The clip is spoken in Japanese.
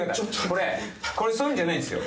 これこれそういうんじゃないんですよ。